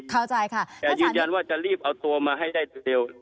เข้าใจค่ะแต่ยืนยันว่าจะรีบเอาตัวมาให้ได้เร็ว